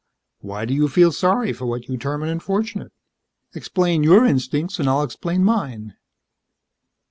Why do you feel sorry for what you term an unfortunate? Explain your instincts and I'll explain mine."